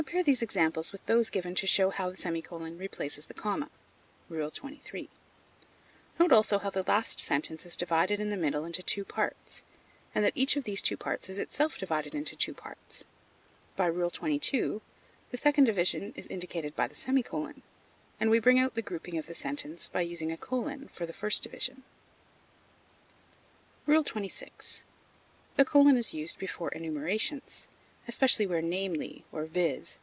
Compare these examples with those given to show how the semicolon replaces the comma. (Rule XXIII.) Note also how the last sentence is divided in the middle into two parts, and that each of these two parts is itself divided into two parts. By Rule XXII. the second division is indicated by the semicolon; and we bring out the grouping of the sentence by using a colon for the first division. XXVI. The colon is used before enumerations, especially where "namely," or "viz.